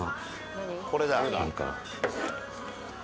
これだ。